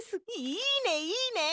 いいねいいね！